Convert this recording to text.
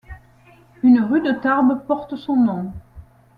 Une rue de Tarbes porte son nom.